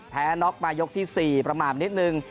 น็อกมายกที่๔ประมาทนิดนึง